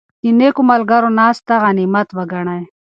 د نېکو ملګرو ناسته غنیمت وګڼئ.